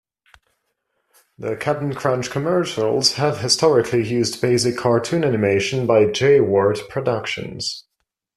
The Cap'n Crunch commercials have historically used basic cartoon animation by Jay Ward Productions.